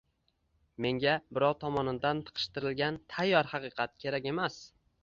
Menga birov tomonidan taqishtirilgan tayyor haqiqat kerak emas